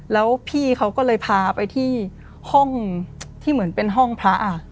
แล้วพี่เขาก็เลยพาไปที่ห้องที่เหมือนเป็นห้องพระ